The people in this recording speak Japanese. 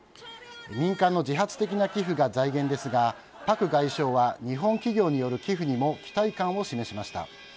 民間の自発的な寄付が財源ですがパク外相は日本企業による寄付にも期待感を示しました。